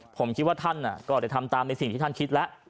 ผมคิดว่าท่านก็จะทำตามในสิ่งที่ท่านคิดแล้ว